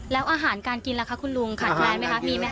แล้วอาหารการกินล่ะคะคุณลุงขาดแคลนไหมคะมีไหมค